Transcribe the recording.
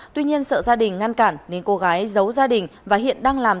tuy nhiên sợ gia đình ngăn cản nên cô gái giấu gia đình và hiện đang làm